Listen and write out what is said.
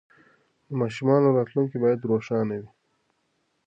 د ماشومانو راتلونکې باید روښانه وي.